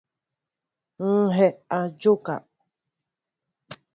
Ŋhɛy a njóka.